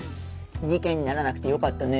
事件にならなくてよかったね。